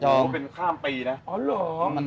จองเงินแบบโอ้โหเป็นข้ามปีนะ